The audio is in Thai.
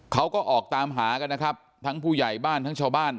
เขาก็ออกตามหากันนะครับทั้งผู้ใหญ่บ้านทั้งชาวบ้าน